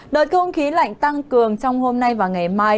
đợt không khí lạnh tăng cường trong hôm nay và ngày mai